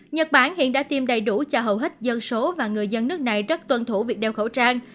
nhật bản hiện đã tiêm đầy đủ cho hầu hết dân số và người dân nước này rất tuân thủ việc đeo khẩu trang